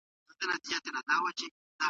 دا ناول تر هغه تېر ناول ډېر پېچلی و.